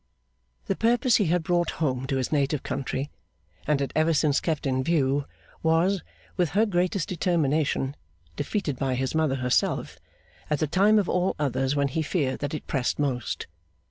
The purpose he had brought home to his native country, and had ever since kept in view, was, with her greatest determination, defeated by his mother herself, at the time of all others when he feared that it pressed most.